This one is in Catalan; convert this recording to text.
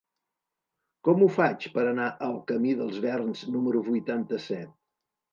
Com ho faig per anar al camí dels Verns número vuitanta-set?